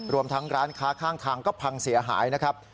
รวมทั้งร้านค้าข้างทางก็พังเสียหายนะครับ